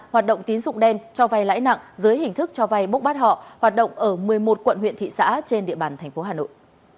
hoạt động tín dụng đen cho vay lãi nặng dưới hình thức cho vay bốc bắt họ hoạt động ở một mươi một quận huyện thị xã trên địa bàn thành phố hà nội